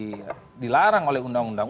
yang itu memang tidak dilarang oleh undang undang